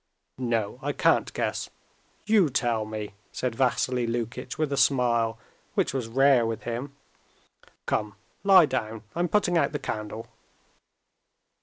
"No, I can't guess. You tell me," said Vassily Lukitch with a smile, which was rare with him. "Come, lie down, I'm putting out the candle."